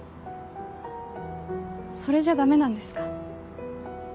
それじゃダメなんですか？